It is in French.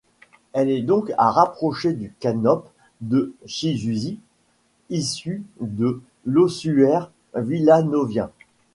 Elle est donc à rapprocher du canope de Chiusi, issu de l'ossuaire villanovien.